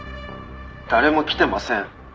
「誰も来てません」